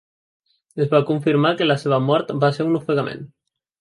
Es va confirmar que la seva mort va ser un ofegament.